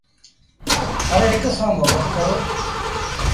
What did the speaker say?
هرهڪ سآݩ مهبت ڪرو۔